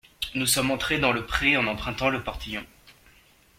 Nous sommes entrés dans le pré en empruntant le portillon.